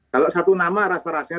kalau satu nama rasa rasanya